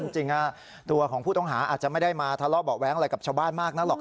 จริงตัวของผู้ต้องหาอาจจะไม่ได้มาทะเลาะเบาะแว้งอะไรกับชาวบ้านมากนักหรอก